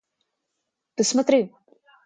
Ты смотри.